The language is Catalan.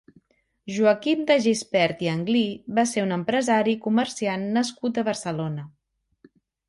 Joaquim De Gispert i Anglí va ser un empresari i comerciant nascut a Barcelona.